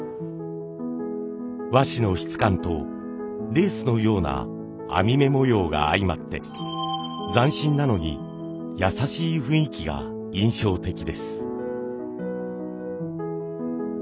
和紙の質感とレースのような網目模様が相まって斬新なのに優しい雰囲気が印象的です。